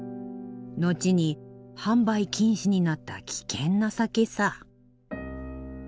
後に販売禁止になった危険な酒さ。